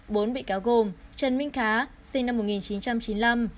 bốn bị cáo gồm trần minh khá sinh năm một nghìn chín trăm chín mươi năm